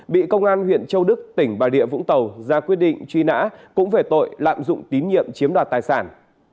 bị công an huyện châu đức tỉnh bà địa vũng tàu ra quyết định truy nã cũng về tội lạm dụng tín nhiệm chiếm đoạt tài sản